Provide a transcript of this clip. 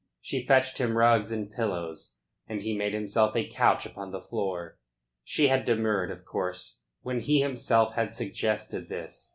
She fetched him rugs and pillows, and he made himself a couch upon the floor. She had demurred, of course, when he himself had suggested this.